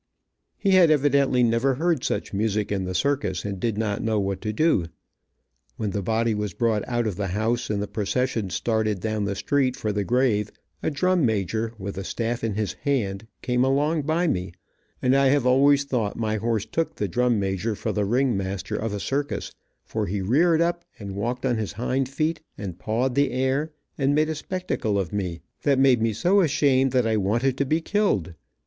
He had evidently never heard such music in the circus and did not know what to do. When the body was brought out of the house, and the procession started down the street for the grave, a drum major, with a staff in his hand, came along by me, and I have always thought my horse took the drum major for the ring master of a circus, for he reared up and walked on his hind feet, and pawed the air, and made a spectacle of me that made me so ashamed that I wanted to be killed.